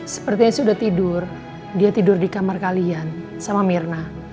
sepertinya sudah tidur dia tidur di kamar kalian sama mirna